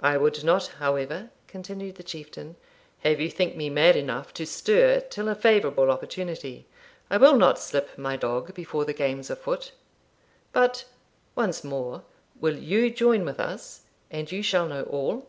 I would not, however,' continued the Chieftain, 'have you think me mad enough to stir till a favourable opportunity: I will not slip my dog before the game's afoot. But, once more, will you join with us, and you shall know all?'